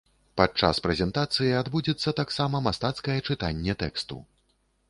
Падчас прэзентацыі адбудзецца таксама мастацкае чытанне тэксту.